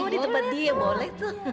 oh di tepet dia boleh tuh